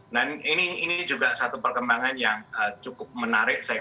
nah ini juga satu perkembangan yang cukup menarik